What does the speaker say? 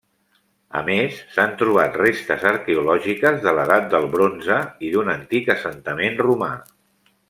A més s'han trobat restes arqueològiques de l'Edat del Bronze i d'un antic assentament romà.